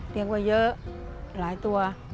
เลี้ยงมาเยอะหลายตัว